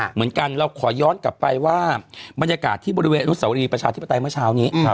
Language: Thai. เหมือนกันเราขอย้อนกลับไปว่าบรรยากาศที่บริเวณอนุสาวรีประชาธิปไตยเมื่อเช้านี้